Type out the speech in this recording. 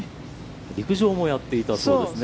陸上もやっていたそうですね。